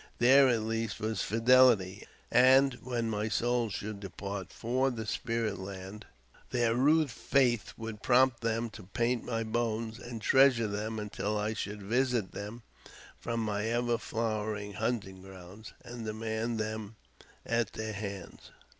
There at least was fidelity, and, when my soul should depart for the spirit land, their rude faith would prompt them to paint my bones, and treasure them until I should visit them from my ever flowering hunting ground, and demand them at their hands.